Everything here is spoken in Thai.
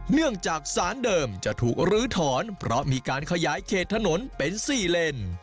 เนื่องจากสารเดิมจะถูกลื้อถอนเพราะมีการขยายเขตถนนเป็น๔เลน